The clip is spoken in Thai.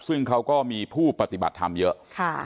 ซึ่งเขาก็มีผู้ปฏิบัติธรรมเยอะ